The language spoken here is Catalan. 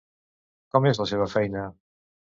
Com és la seva feina?